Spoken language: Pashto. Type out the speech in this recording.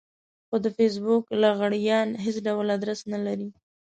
خو د فېسبوک لغړيان هېڅ ډول ادرس نه لري.